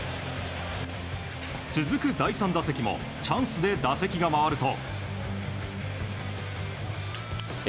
続く第３打席もチャンスで打席が回ると。